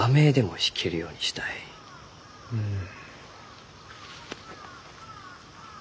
うん。